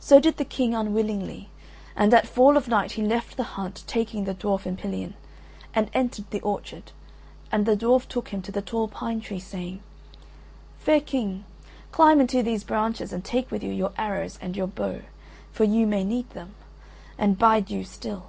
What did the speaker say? So did the King unwillingly; and at fall of night he left the hunt taking the dwarf in pillion, and entered the orchard, and the dwarf took him to the tall pine tree, saying: "Fair King, climb into these branches and take with you your arrows and your bow, for you may need them; and bide you still."